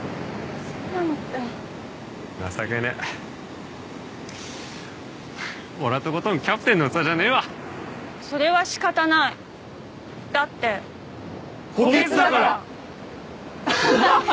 そんなのって情けねえ俺はとことんキャプテンの器じゃねえわそれはしかたないだって補欠だから！